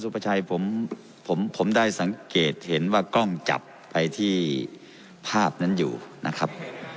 ประชัยผมได้สังเกตเห็นว่ากล้องจับไปที่ภาพนั้นอยู่นะครับ